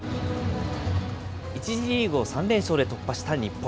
１次リーグを３連勝で突破した日本。